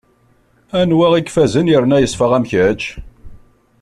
Anwa i yefazen yerna yeṣfa am kečč?